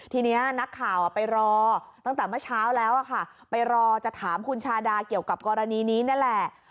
ทีนี้นักข่าวไปรอตั้งแต่เมื่อเช้าแล้วค่ะไปรอจะถามคุณชาดาเกี่ยวกับกรณีนี้นั่นแหละ